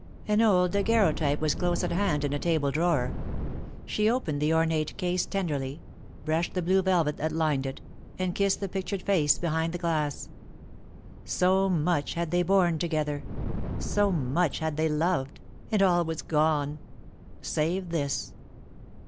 An old daguerreotype was close at hand in a table drawer. She opened the ornate case tenderly, brushed the blue velvet that lined it, and kissed the pictured face behind the glass. So much had they borne together, so much had they loved, and all was gone save this!